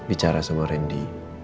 bicara sama randy